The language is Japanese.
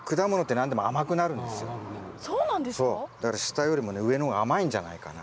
だから下よりもね上の方が甘いんじゃないかな。